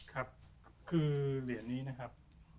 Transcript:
ครับคือเหรียญนี้นะครับ